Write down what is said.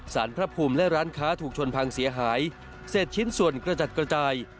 สารพระภูมิและร้านค้าถูกชนพังเสียหายเศษชิ้นส่วนกระจัดกระจาย